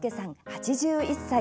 ８１歳。